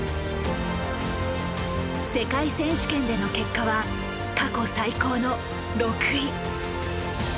世界選手権での結果は過去最高の６位。